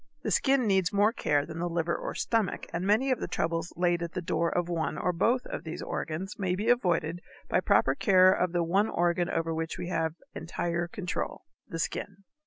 The skin needs more care than the liver or the stomach, and many of the troubles laid at the door of one or both these organs may be avoided by proper care of the one organ over which we have entire control, the skin.